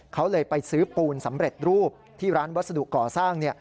เขาเลยไปซื้อปูนสำเร็จรูปที่ร้านวัสดุก่อสร้าง